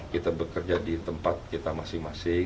kita bekerja di tempat kita masing masing